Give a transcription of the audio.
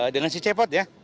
dengan si cepot ya